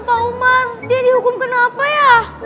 pak umar dia dihukum kenapa ya